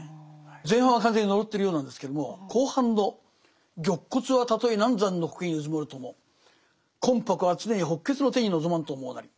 前半は完全に呪ってるようなんですけども後半の「玉骨はたとい南山の苔に埋むるとも魂魄は常に北闕の天に臨まんと思ふなり」。